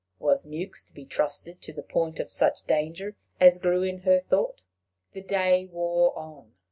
Was Mewks to be trusted to the point of such danger as grew in her thought? The day wore on.